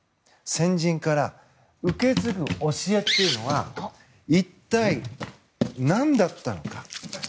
先人から受け継ぐ教えというのは一体何だったのか。